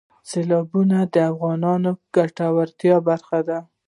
سیلابونه د افغانانو د ګټورتیا برخه ده.